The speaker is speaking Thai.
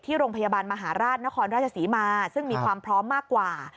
โรงพยาบาลมหาราชนครราชศรีมาซึ่งมีความพร้อมมากกว่า